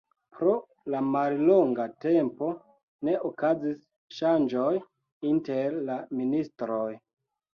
Pro la mallonga tempo ne okazis ŝanĝoj inter la ministroj.